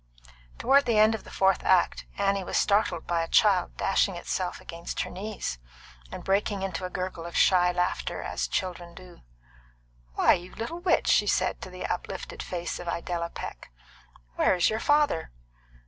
Toward the end of the fourth act Annie was startled by a child dashing itself against her knees, and breaking into a gurgle of shy laughter as children do. "Why, you little witch!" she said to the uplifted face of Idella Peck. "Where is your father?"